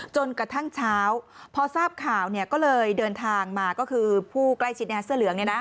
จนกระทั่งเช้าพอทราบข่าวก็เลยเดินทางมาก็คือผู้ใกล้ชิดเสื้อเหลือง